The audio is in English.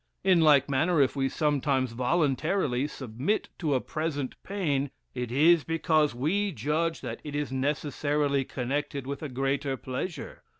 In like manner, if we sometimes voluntarily submit to a present pain, it is because we judge that it is necessarily connected with a greater pleasure.